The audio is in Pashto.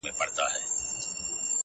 بیا ویشتلی د چا سترګو مستانه یې,